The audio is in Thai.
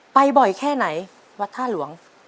บ่อยแค่ไหนวัดท่าหลวง